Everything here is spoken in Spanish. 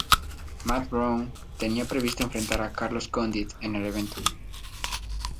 Matt Brown tenía previsto enfrentar a Carlos Condit en el evento.